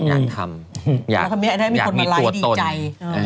อยากทำอยากมีตัวตนทำให้มีคนมาไล่ดีใจ